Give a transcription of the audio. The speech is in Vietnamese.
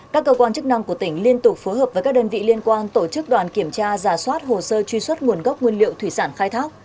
các cơ quan chức năng của tỉnh liên tục phối hợp với các đơn vị liên quan tổ chức đoàn kiểm tra giả soát hồ sơ truy xuất nguồn gốc nguyên liệu thủy sản khai thác